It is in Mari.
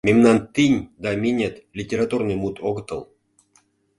Мемнан «тинь» да «минет» литературный мут огытыл.